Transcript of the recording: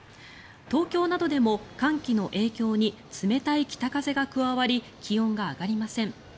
東京などでも寒気の影響に冷たい北風が加わり気温が上がりません。